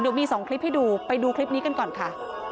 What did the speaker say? เดี๋ยวมี๒คลิปให้ดูไปดูคลิปนี้กันก่อนค่ะ